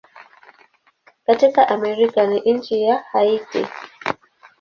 Katika Amerika ni nchi ya Haiti.